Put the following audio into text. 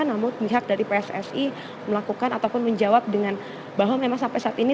namun pihak dari pssi melakukan ataupun menjawab dengan bahwa memang sampai saat ini